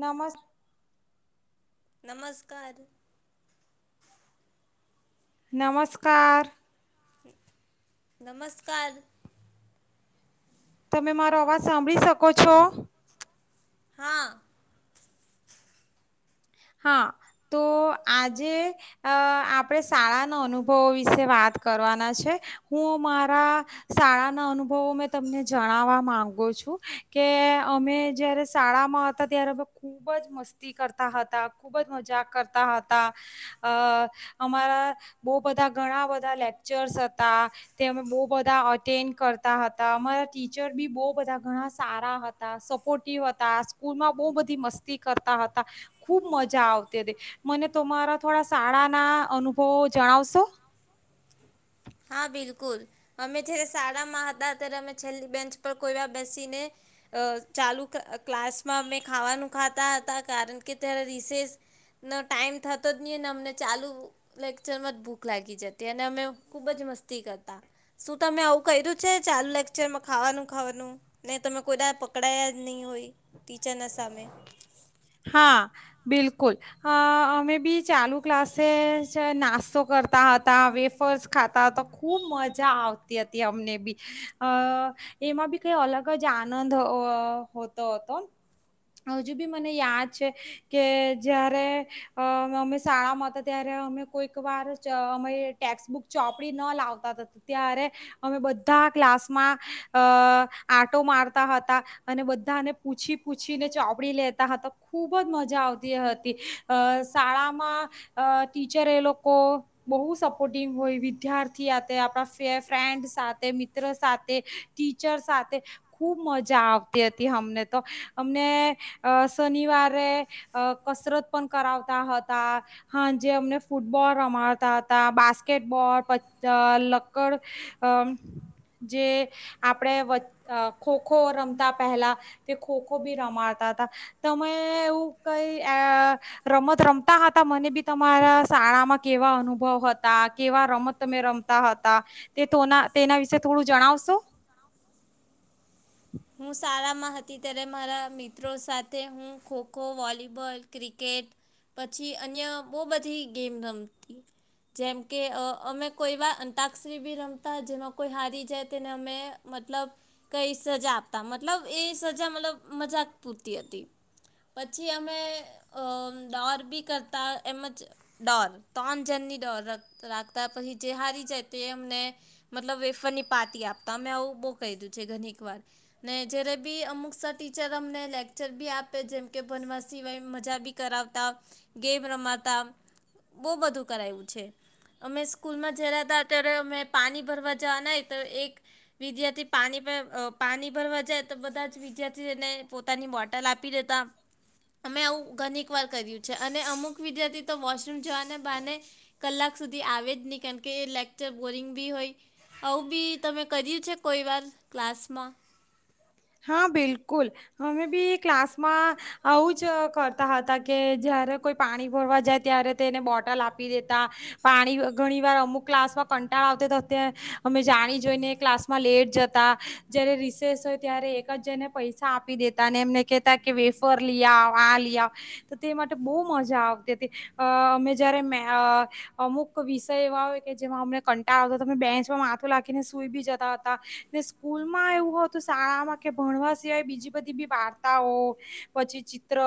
નમસ્ નમસ્કાર. નમસ્કાર. નમસ્કાર. તમે મારો અવાજ સાંભળી શકો છો? હા. હા તો આજે અ આપડે શાળાના અનુભવો વિશે વાત કરવાના છે. હું મારા શાળા ના અનુભવો મેં તમને જણાવવા માંગુ છું કે અમે જયારે શાળામાં હતા ત્યારે ખુબ જ મસ્તી કર તા હતા. ખુબ જ મજા કરતા હતા અ અમારા બહું બધા ઘણા બધા લેકચર્સ હતા, તે અમે બ બધા અટેન્ડ કરતા હતા. અમારા ટીચર બી બહું બધા ઘણા સારા હતા સપોર્ટિવ હતા સ્કૂલમાં બવ બધી મસ્તી કરતા હતા ખુબ મજા આવતી હતી મને, તો મારા થોડા શાળા ના અનુભવો જણાવશો? હા બિલકુલ અમે જ્યારે શાળામાં હતા ત્યારે અમે છેલ્લી બેન્ચ પર કોઈ વા બેસીને અ ચાલુ ક્લાસમાં અમે ખાવાનું ખાતા હતા. કારણ કે ત્યારે રિસેસનો ટાઈમ થતો જ ની અને અમને ચાલુ લેક્ચરમાં જ ભૂખ લાગી જતી અને અમે ખુબ જ મસ્તી કરતા. શું તમે આવું કર્યું છે ચાલુ લેક્ચરમાં ખાવાનું ખાવાનું ને તમે કોઈ દા પકડાયા જ ની હોય ટીચર ના સામે? હા બિલકુલ અ અમે બી ચાલુ ક્લાસે નાસ્તો કરતા હતા, વેફર્સ ખાતા હતા, ખુબ મજા આવતી હતી અમને બી અ એમાં બી કઈ અલગ જ અ આનંદ અ હોતો હતો. મને યાદ છે કે જયારે અમે શાળામાં હતા ત્યારે અમે કોઈક વાર અ અમે ટેક્સબુક ચોપડી ન લાવતા ત્યારે અમે બધા ક્લાસમાં અ આંટો મારતા હતા અને બધાને પૂછી પૂછીને ચોપડી લે ખૂબ જ મજા આવતી હતી. અ શાળામાં અ ટીચર એ લોકો બહુ સપોર્ટંગ હોય વિદ્યાર્થી આપણા ફ્રેન્ડ સાથે મિત્ર સાથે ટીચર સાથે ખૂબ મજા આવતી હતી અમને તો અમને અ શનિવારે અ કસરત પણ કરાવતા હતા હા જે અમને ફૂટબોલ રમાડતા હતા બાસ્કેટબોલ પ લકડ અ જે આપણે અ ખોખો રમતા પહેલા તે ખોખો બી રમાડતા હતા તમે એવું કઈ અ રમત રમતા હતા મને બી તમારા શાળામાં કેવા અનુભવ હતા, કેવા રમત તમે રમતા હતા, તે તેના વિશે થોડું જણાવશો? હું શાળામાં હતી ત્યારે મારા મિત્રો સાથે હું ખોખો, વોલીબોલ ક્રિકેટ, પછી અન્ય બહુ બધી ગેમ રમતી જેમ કે અ અમે કોઈ વાર અંતાક્ષરી બી રમતા જેમાં કોઈ હારી જાય તેને અમે મતલબ કંઈ સજા આપ મતલબ એ સજા મતલબ મજાક પૂરતી હતી. પછી અમે અ ડોર બી કરતા એમ જ ડોર તોનજણની ડોર રાખતા પછી જે હારી જાય તે અમને વેફરની પારતી આપતા અમે આવું બહુ કહીધું છે ઘણીક વાર ને જ્યારે બી અમુક સર ટીચર અમને લેક્ચર બી આપે જેમકે ભનવા સિવાય મજા બી કરાવતા ગેમ રમાતા બહુ બધું કરાયું છે અમે સ્કૂલમાં જ રેતા ત્યારે અમે પાણી ભરવા જવા ના હોય તો એક વિદ્યાર્થી પાણી અ પાણી [unintelligible] બધા વિદ્યાર્થીને પોતાની બોટલ આપી દેતા અમે આવું ઘનીક વાર કર્યું છે અને અમુક વિ તો વોશરૂમ જવાને બાને કલાક સુધી આવે જ નહી કેમકે એ લેક્ચર બોરિંગ બી હોય આવું બી તમે કર્યું છે કોઈ વાર ક્લાસમાં? હા બિલકુલ અમે બી ક્લાસમાં આવું જ કરતા હતા કે જયારે કોઈ પાણી ભરવા જાય ત્યારે તેને બોટલ આપી દેતા પાણી ઘણી વાર અમુક ક્લાસમાં કંટાળ આવતા તો અત અમે જાણી જોઈને ક્લાસમાં લેટ જતા, જય્યારે રિસેસ હોય ત્યારે એક જ જેને પૈસા આપી દેતા અને એમને કહેતા કે વેફર લઈ આવ, આ લઈ આવ તો તે માટે બહુ મજા આવ કેતી અમે જયારે મે અ અમુક વિષય એવા હોય કે જેમાં અમને કંટાળ આવતા તમે બેન્ચમાં માથું લાખીને સુૂઈ બી જતા હતા ને સ્કૂલમાં એવું હતું શાળામાં કે ભણવા સિવાય બીજી બધી બી વાર્તાઓ, પછી ચિત્ર,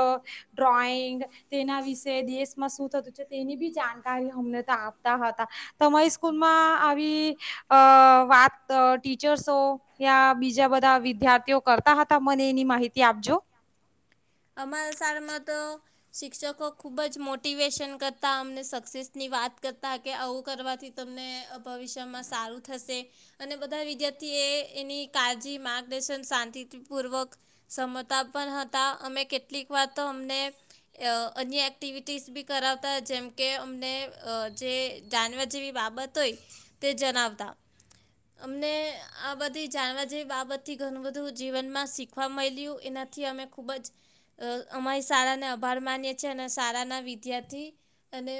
ડ્રોઈંગ તેના વિષ તે દેશમાં શું થતું છે તેની બી જાણકારી અમને તો આપતા હતા. તમારી સ્કૂલમાં આવી અ વાત ટીચર્સો યા બીજા બધા વિદ્યાર્થીઓ કરતા હતા? મને એની માહિતી આપજો. અમારા શાળામાં તો શિક્ષકો ખૂબ જ મોટિવેશન કરતા અમને સક્સેસની વાત કરતા કે આવું કરવાથી તમને અ ભવિષ્યમાં સારું થશે અને બધા વિદ્યાર્થી એ એની કાળજી માર્ગદર્શન શાંતિપૂર્વક ક્ષમતા પણ હતા. અમે કેટલીક વાર તો અમને અ અન્ય એક્ટિવિટીઝ બી કરાવતા જેમ કે અમને અ જે જાણવા જેવી બાબત હોય તે જણાવતા અમને આ બધી જાણવા જેવી બાબતથી ઘણું બધું જીવનમાં શીખવા મળ્યું એનાથી અમે ખૂબ જ અ અમારી શાળાને આભાર માનીએ છીએ અને શાળાના વિદ્યાર્થી અને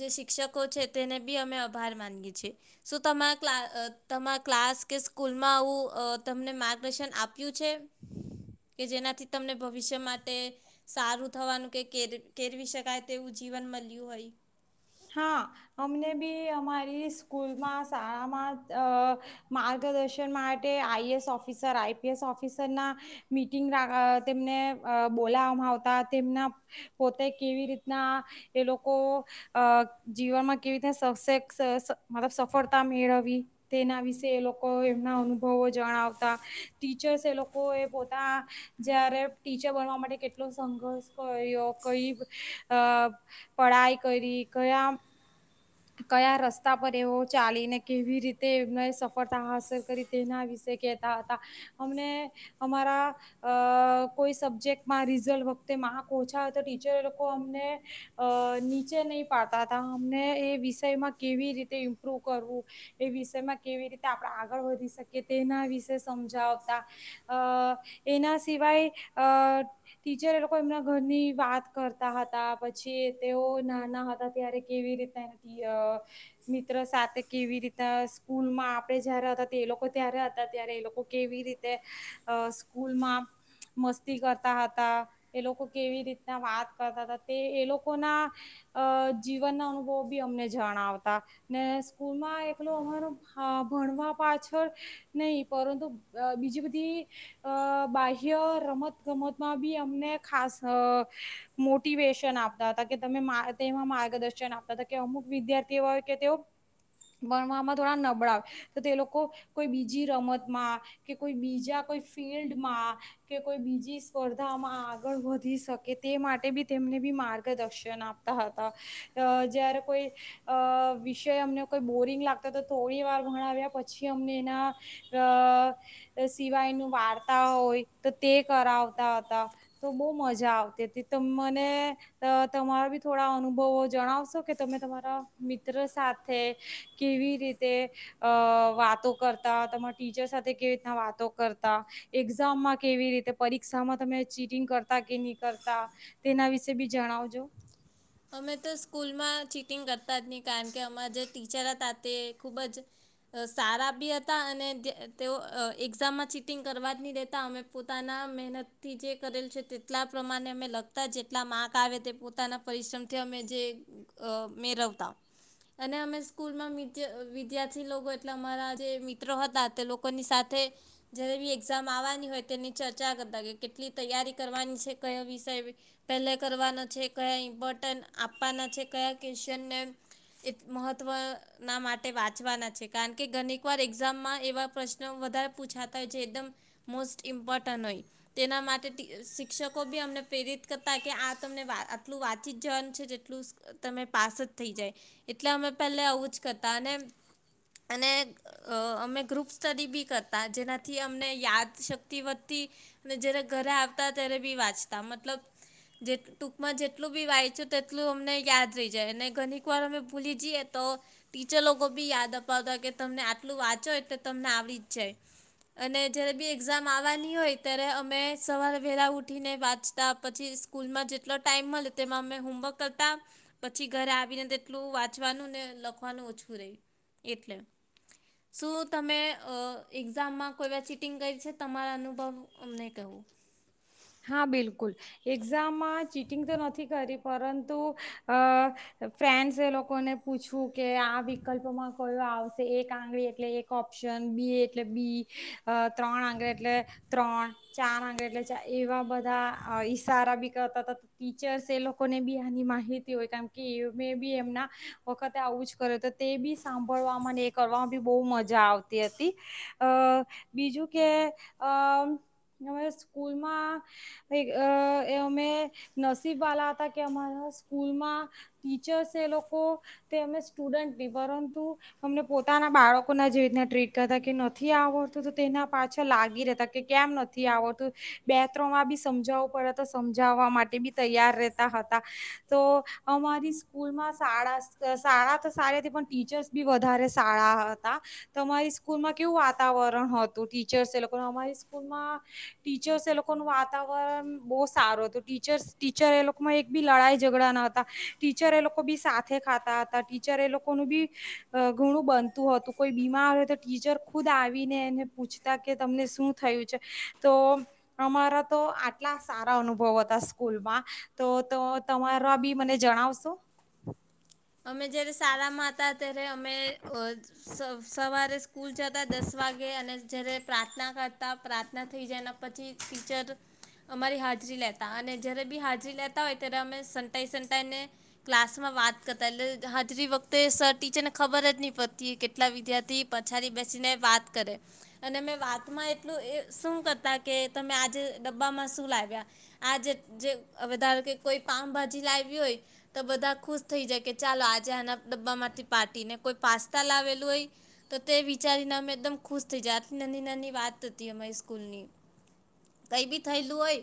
જે શિક્ષકો છે તેને બી અમે આભાર માનીએ છીએ. શું તમારા ક્ અ તમારા ક્લાસ કે સ્કૂલમાં આવું અ તમને માર્ગદર્શન આપ્યું છે કે જેનાથી તમને ભવી સારું થવાનું કે કેરવી શકાય તેવું જીવન મળ્યું હોય. હા અમને અમારી સ્કૂલમાં શાળામાં અ માર્ગદર્શન માટે આઈએસ ઓફિસર, આઈપીએસ ઓફિસર ના મીટંગ આ તેમને અ બોલાવામાં આવતા તેમના પોતે કેવી રીતના એ લોકો અ જીવનમાં કેવી રીતના સબ સ સ સફળતા મેળવી તેના વિશે એ લોકો એમના અનુભવો જણાવતા ટીચર્સ એ લોકો એ પો જ્યારે ટીચર બનવા માટે કેટલો સંઘર્ષ કર્યો કઈ અ પઢાઈ કયરી કયા કયા રસ્તા પર એવો ચાલીને કેવી રીતે એમને સફળતા હાંસલ કરી તેના વિશે કેતા હતા અમને અમારા અ કોઈ સબ્જેક્ટમાં રિઝલ્ટ વખતે માર્ક ઓછા તો ટીચર લોકો અમને અ નીચે નહી પાડતા હતા અમને એ વિષમાં કેવી રીતે ઇમ્પ્રુવ કરવું એ વિષયમાં કેવી રીતે આપણે આગળ વધી શકીએ તેના વિશે સમજાવતા અ એના સિવાય અ ટીચર એ લોકો એમના ઘરની વાત કરતા હતા પછી તેઓ નાના હતા ત્યારે કેવી રીતે અ મિત્ર સાથે કેવી રીતના સ્કૂલમાં આપણે જયારે હતા એ લોકો ત્યારે હતા ત્યારે એ લોકો કેવી રીતે અ સ્કૂલમાં મસ્તી કર અમને જણાવતા ને સ્કૂલમાં એકલું અમાર અ ભણવા પાછળ નહી પરંતુ અ બીજી બધી અ બાહ્ય રમત ગમતમાં બી અમને ખાસ અ મોટિવેશન આપતા હતા કે તમે તેમાં માર્ગદર્શન આપતા તા અમુક વિદ્યાર્થી હોય કે તેઓ ભણવામાં થોડા નબળાવ તો તે લોકો કોઈ બીજી રમતમાં કે કોઈ બીજા કોઈ ફિલ્ડમાં કે કોઈ બીજી સ્પર્ધામાં આગળ વધી શકે તે માટે બી તેમને બી માર્ગદર્શન આપતા હતા. અ જ્યારે કોઈ અ વિષય અમને કોઈ બોરિંગ લાગતો તો થોડી વાર ભણાવ્યા પછી અમને એના અ સિવાયનું વાર્તા હોય તો તે કરાવતા હતા. તો બહુ મજા આવતી હતી. ત મને તમારા બી થોડા અનુભવો જણાવશો કે? તમે તમારા મિત્ર સાથે કેવી રીતે અ વાતો કરતા તમારા ટીચર સાથે કેવી રીતના વાતો કરતા એક્ઝામમાં કેવી રીતે પરીક્ષામાં તમે ચીટિંગ કરતા કે નહી કરતા તેના વિશે બી જણાવજો. અમે તો સ્કૂલમાં ચીટિંગ કરતા જ નહી કારણ કે અમા જે ટીચર હતા તે ખૂબ જ સારા બી હતા અને તેઓ એક્ઝામમાં ચીટિંગ કરવા જ નહી રહેેતા અમે પોતાના મહેનતથી જે કરેલ છે તેટલા પ્રમાણે અમે લખતા જેટલા માર્ક આવે તે પોતાના પરિશ્રમથી અમે જે મેળવતા અને અમે સ્કૂલમાં વિદ્યાર્થી લોકો એટલે અમારા જે મિત્રો હતા તે લોકોની સાથે જારે બી એક્ઝામ આવવાની હોય તેની ચર્ચા કરતા કે કેટલી તૈયારી કરવાની છે કયો વિષય પહેલે કરવાનો છે કયા બટન આપવાના છે કયા કનને મહત્વ ના માટે વાંચવાના છે. કારણ કે ઘણીક વાર એક્ઝામમાં એવા પ્રશ્નો વધારે પૂછાતા હોય જે એકદમ મોસ્ટ ઇમ્પોર્ટન્ટ હોય તેના માટે શિક્ષકો બી અમને પ્રેરિત કરતા કે આ તમને આટલું વાત જન છે જેટલું તમે પાસ જ થઈ જાય. એટલે અમે પહેલા આવું જ કરતા અને અને અમે ગ્રુપ સ્ટડી બી કરતા જેનાથી અમને યાદ તી વધતી અનેને જ્યારે ઘરે ત બી વાંચતા મતલબ ટૂકમાં વાંચ તેટલું અમને યાદ રહી જાય અને ઘણી વાર અમે ભૂલી જઈએ તો ટીચર બી યાદ અપાવતા હોય કે તમને આટલું વાંચો તો તમને આવી જ જાય અને જયારે બી એઝામ આવવાની હોય ત્યારે અમે સવારે પ ઉઠી ને વાંચતા પછી સ્કૂલ માં જેટલો ટાઈઇમ મળે તેમાં અમે હોમવર્ક કરતા પછી ઘરે આવીને તેટલું વાંચવાનું ને લખવાનું ઓછું રહી એટલે શું તમે અ એક્ઝામમાં કોઈ ચીટિંગ કરી છે તમારા અનુભવ અમને કવું હા, બિલકુલ. એક્ઝામમાં ચિટિંગ તો નથી કરી પરંતુ ફ્રેન્ડ્સે એ લોકોને પૂછવું કે આ વિકલ્પમાં કયો આવશે એક આંગળી એટલે એક ઓપ્શન બી એટ એટલે બી ત્રણ આંગળ એટલે ત્રણ ચાર આંગળ એટલે એવા બધા ઈશારા બી કરતા હતા ટીચર્સ એ લોકોને બી આની માહિતી હોય કારમ કે એ મેં બી એમના વખતે આવું જ કર્યું હત તે બી સાંભળવામાં અને એ કરવામાં બી બહુ મજા આવતી હતી. અ બીજું કે અરા સ્કૂલમાં અમે નસીબવાલા હતા કે અમારા સ્કૂલમાં ટીચર્સ એ લોકો તે અમે સ્ટુડન્ટ નહી પરંતુ અમને પોતાના બાળકોના જેવી રીના ટ્રીટ નથી આવડતું તો તેના પાછા લાગી રહેતા કે કેમ નથી આવડતું બેત્ર્રમાં બી સમજાવવું પડે તો સમજાવવા માટે બી તૈયાર રહેતા હતા તો અમારી સ્કૂલમાં શાળા શાળા તો સારી હતી પણ ટીચર્સ બી વધારે શાળા હતારી. માં કેવું વાતાવરણ હતું ટીચર્સ એ લોકો અમારી સ્કૂલમાં ટીચર્સ એ લોકોનુંું વાતાવરણ બહુ સારું હતું ટીચર્સ ટીચર એ લોકોમાં એક બી લડાઈ ઝઘડા ના હતા ટીચર એ લોકો બી સાથે ખાતા હતા ટીચર એ લોકોનું બી ઘણું બનતું હતું કોઈ બીમાર ટીચર ખુદ આવીને એને પૂછતા કે તમને શું થયું છે તો અમારા તો આટલા સારા અનુભવ હતા સ્કૂલમાં તો તો તમારા બી મને જણાવશો. અમે જયારે સારામાં હતા ત્યારે અમે સવારે સ્કૂલ જતા દસ વાગે અને જ્યારે પ્રા પ્રાર્થના કરતા પ્રાર્થના થઈ જાયના પછી ટીચર અમારી હાજરી લેતા અને જ્યારે બી હાજરી લેતા હોય ત્યારે અમે સંટાઈ સંટાઈને ક્લાસમાં વાત કરતા એટલે હાજરી વખતે સર ટીચરને ખબર જ નહી પડતી કેટલા વિદ્યાર્થી પછાડી બેસીને વાત કરે અને મેં વાતમાં એટલું શું કરતા કે તમે આજે ડબ્બામાં શું લાવ્યા આજ જે વધારો કે કોઈ પાઉભાજી લાવ હોય તો બધા ખુશ થઈ જાય કે ચાલો આજે આના ડબ્બામાંથી પાર્ટટી ને કોઈ પાસ્તા લાવેલું હોય તો તે વિચારીને અમે એકદમ ખુશ થઈ જાય આ નાની નાની વાત હતી અમારી સ્કૂલની કઈ બી થયેલું હોય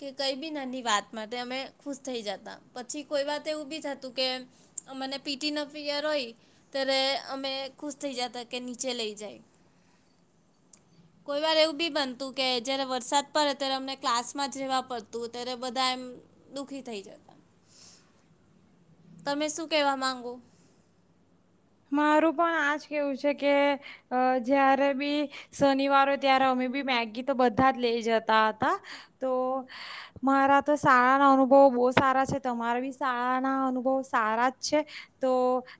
કે કઈ બી નાની વાત માટે અમે ખુશ થઈ જતા પછી કોઈ વાત એવું બી થ ને પીટી ન પયર હોય ત્યારે અમે ખુશ થઈ જતા કે નીચે લઈ જાય કોઈ વાર એવું બી બનતું કે જારે વરસાદ પડે ત્યારે અમને ક્લાસમાં જ રહેવા પડતું ત બધા એમ દુખી થઈ જતા. તમે શું કહેવા માંગો. મારું પણ આજ કેવું છે કે જયારે બી શનિવારોય ત્યારે અમે બી મેગી તો બધા જ લઈ જતા હતા તો મારા તો શાળા ના અનુભવ બહુ સારા છે તમારા બી શાળા ના અનુભવ સારા જ છે તો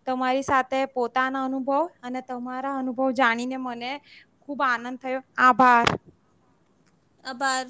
તમારી સાથે તે પોતાના અનુભવ અને તમારા અનુભવ જાણીને મને ખુબ આનંદ થયો આભાર. આભાર.